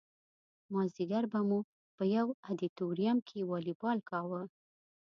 مازدیګر به مو په یو ادیتوریم کې والیبال کاوه.